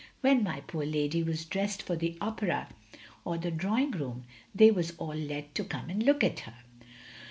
When my poor lady was dressed for the Opera or the Drawing room, they was all let to come and look at her.